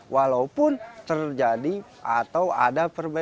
walaupun terjadi atau ada perbedaan